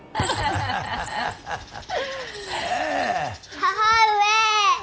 母上。